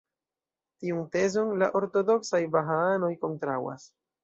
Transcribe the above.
Tiun tezon la ortodoksaj Bahaanoj kontraŭas.